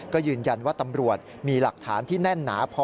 ก็ยืนยันว่าตำรวจมีหลักฐานที่แน่นหนาพอ